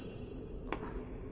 あっ。